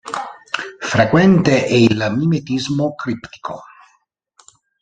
Frequente è il mimetismo criptico.